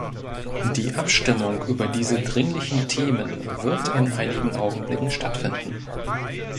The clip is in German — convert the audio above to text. Die Abstimmung über diese dringlichen Themen wird in einigen Augenblicken stattfinden.